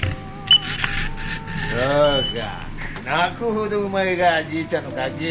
そうか泣くほどうまいがじいちゃんのカキ。